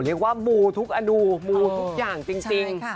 โหเรียกว่ามูทุกอนุมูทุกอย่างจริงใช่ค่ะ